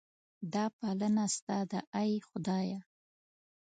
دا پالنه ستا ده ای خدایه.